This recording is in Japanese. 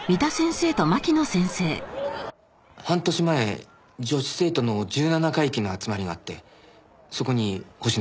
半年前女子生徒の十七回忌の集まりがあってそこに星野くんも来ました。